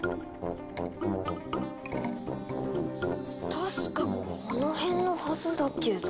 確かこの辺のはずだけど。